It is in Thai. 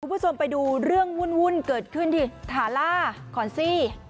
คุณผู้ชมไปดูเรื่องวุ่นเกิดขึ้นที่ทาล่าคอนซี่